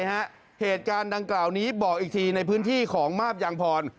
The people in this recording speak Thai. เหตุการณ์ดังกล่าวนี้บอกอีกทีในพื้นที่ของมาบยางพร